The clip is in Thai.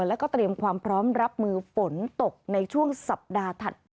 แล้วก็เตรียมความพร้อมรับมือฝนตกในช่วงสัปดาห์ถัดไป